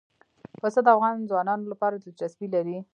پسه د افغان ځوانانو لپاره دلچسپي لري.